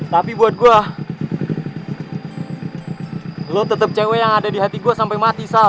tapi buat gue lo tetep cewe yang ada di hati gue sampai mati sal